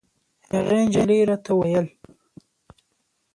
هغې نجلۍ راته ویل.